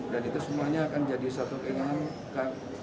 dan itu semuanya akan jadi satu kenangan